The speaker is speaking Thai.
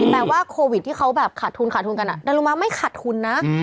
แปลว่าโควิดที่เขาแบบขาดทุนขาดทุนกันดารุมะไม่ขาดทุนนะ